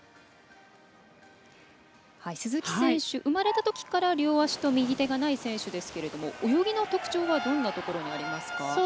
鈴木選手、生まれたときから両足と右手がない選手ですけれども泳ぎの特徴はどんなところにありますか。